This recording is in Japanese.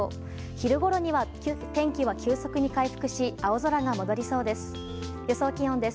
昼ごろには天気は急速に回復し青空が戻りそうです。